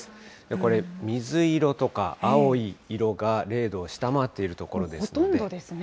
これ、水色とか青い色が０度を下回っている所です。